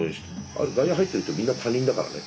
あれ外野入ってる人みんな他人だからね。